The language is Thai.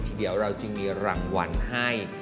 ทีเดียวเราจะมีรางวัลให้